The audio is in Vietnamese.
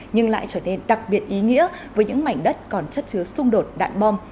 nhưng lại trở nên đặc biệt ý nghĩa với những mảnh đất còn chất chứa xung đột đạn bom